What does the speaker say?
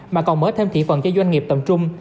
mà còn mở thêm thị phần cho doanh nghiệp tầm trung